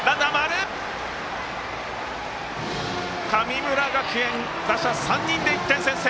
神村学園、打者３人で１点先制！